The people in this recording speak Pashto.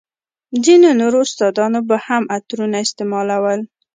ځينو نورو استادانو به هم عطرونه استعمالول.